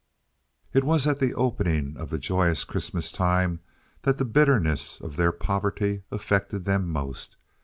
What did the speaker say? It was at the opening of the joyous Christmas time that the bitterness of their poverty affected them most.